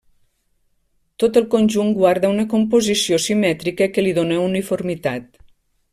Tot el conjunt guarda una composició simètrica que li dóna uniformitat.